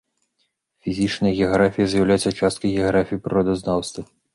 Фізічная геаграфія з'яўляецца часткай геаграфіі і прыродазнаўства.